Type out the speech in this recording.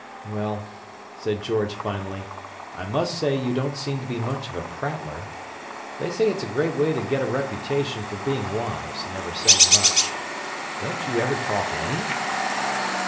"Well," said George finally, "I must say you don't seem to be much of a prattler. They say it's a great way to get a reputation for being wise, never saying much. Don't you ever talk _any?